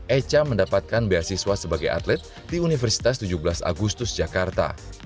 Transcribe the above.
echa mendapatkan beasiswa sebagai atlet di universitas tujuh belas agustus jakarta